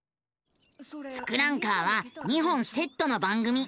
「ツクランカー」は２本セットの番組。